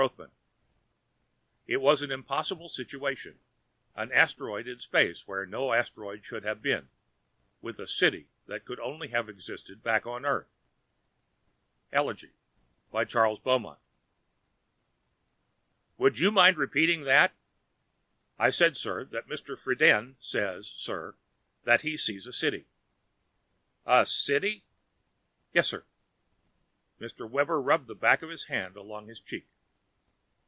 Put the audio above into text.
] [Sidenote: It was an impossible situation: an asteroid in space where no asteroid should have been with a city that could only have existed back on Earth!] "Would you mind repeating that?" "I said, sir, that Mr. Friden said, sir, that he sees a city." "A city?" "Yes sir." Captain Webber rubbed the back of his hand along his cheek.